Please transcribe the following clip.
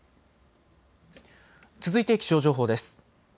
続いて気象情報です。